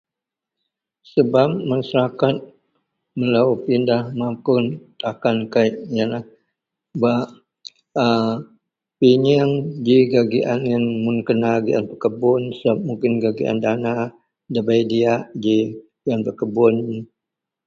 sebab masyarakat melou pindah mapun takan kek, ienlah bak a peyieang ji gak giaan ien mun kena giaan pekebun sebab mukin gak giaan dana dabei diak ji gian bekebun.